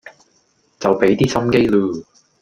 就比啲心機嚕